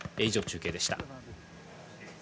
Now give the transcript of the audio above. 以上、中継でした。